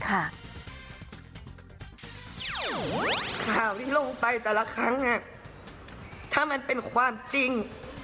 ข่าวที่ลงไปแต่ละครั้งถ้ามันเป็นความจริง